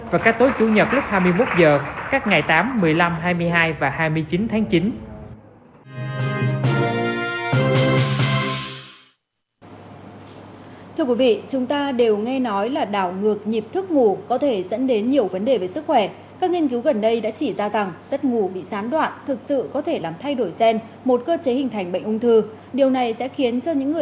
và các tối chủ nhật lúc hai mươi một h các ngày tám một mươi năm hai mươi hai và hai mươi chín tháng chín